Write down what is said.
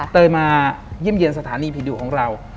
เตยมาเยี่ยมเย็นสถานีพิดิวของเรา